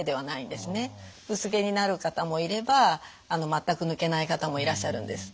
薄毛になる方もいれば全く抜けない方もいらっしゃるんです。